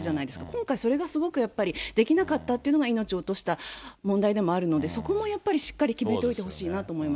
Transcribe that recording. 今回、それがすごくやっぱり、できなかったっていうのが、命を落とした問題でもあるので、そこもやっぱりしっかり決めておいてほ